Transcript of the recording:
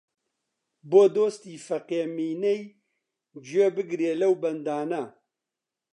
بۆ دۆستی فەقێ مینەی گوێ بگرێ لەو بەندانە